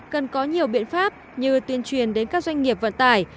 cần có nhiều biện pháp như tuyên truyền đến các doanh nghiệp vận tải